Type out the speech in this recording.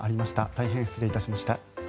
大変失礼いたしました。